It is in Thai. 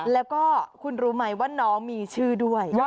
แล้วก็คุณรู้ไหมว่าน้องมีชื่อด้วย